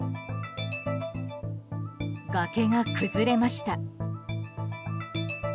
崖が崩れました。